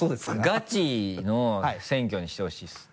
ガチの選挙にしてほしいです。